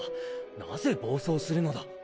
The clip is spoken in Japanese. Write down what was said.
何故暴走するのだ？